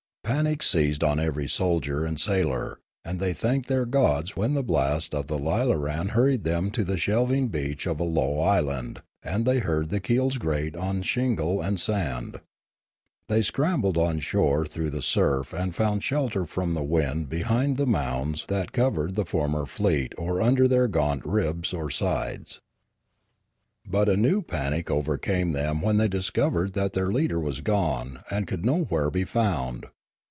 Panic seized on every soldier and sailor, and they thanked their gods when the blast of the lilaran hurried them to the shelving beach of a low island and they heard the keels grate on shingle and sand. They scrambled on shore through the surf and found shelter from the wind behind the mounds that 216 Limanora covered the former fleet or under their gaunt ribs or sides. But a new panic overcame them when they dis covered that their leader was gone and could nowhere be found.